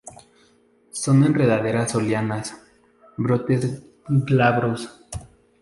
Son enredaderas o lianas; brotes glabros.